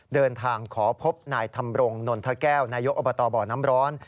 เดินทางขอพบนายธรรมรงนนทแก้วนายกอบตบ่อน้ำร้อน